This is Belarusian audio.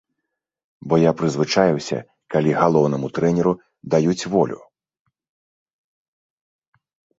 Бо я прызвычаіўся, калі галоўнаму трэнеру даюць волю!